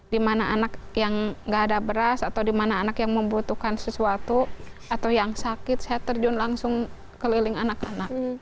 di mana anak yang nggak ada beras atau di mana anak yang membutuhkan sesuatu atau yang sakit saya terjun langsung keliling anak anak